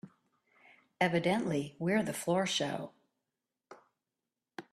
Evidently we're the floor show.